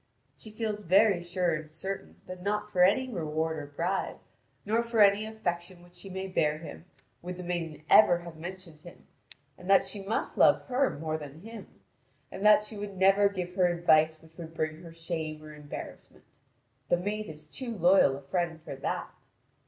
She feels very sure and certain that not for any reward or bribe, nor for any affection which she may bear him, would the maiden ever have mentioned him; and that she must love her more than him, and that she would never give her advice which would bring her shame or embarrassment: the maid is too loyal a friend for that.